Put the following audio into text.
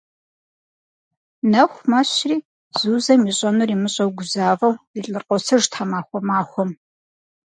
Нэху мэщри, Зузэм ищӏэнур имыщӏэу гузавэу, и лӏыр къосыж тхьэмахуэ махуэу.